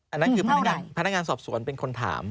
อันนั้นคือพนักงานสอบสวนเป็นคนถาม